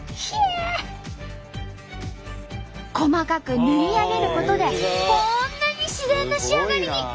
細かく縫い上げることでこんなに自然な仕上がりに。